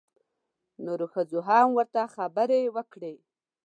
نورو ښځو هم ورته خبرې وکړې.